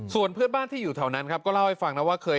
ส่วนเพื่อนบ้านที่อยู่แถวนั้นครับก็เล่าให้ฟังนะว่าเคย